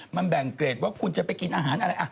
มันแบ่งเกรดว่าคุณจะไปกินอาหารอะไร